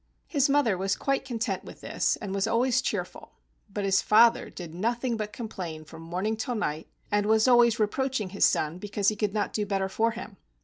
His mother was quite content with this and was always cheerful, but his father did nothing but complain from morning till night, and was always reproaching his son because he could not do better for him.